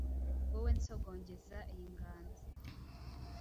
Wowe nsogongeza iyi nganz